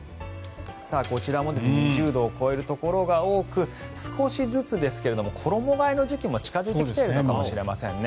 こちらも２０度を超えるところが多く少しずつですが衣替えの時期も近付いてきてるのかもしれませんね。